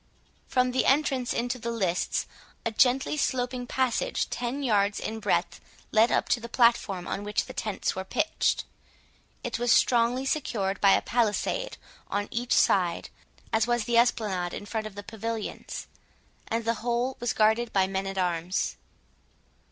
From the entrance into the lists, a gently sloping passage, ten yards in breadth, led up to the platform on which the tents were pitched. It was strongly secured by a palisade on each side, as was the esplanade in front of the pavilions, and the whole was guarded by men at arms.